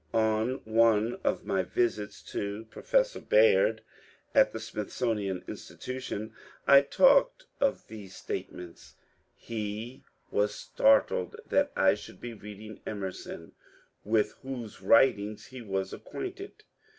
On one of my visits to Professor Baird, at the Smithsonian Insti tution, I talked of these statements ; he was startled that I should be reading Emerson, with whose writings he was ac quainted.